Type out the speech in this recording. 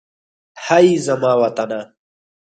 هئ! زما وطنه.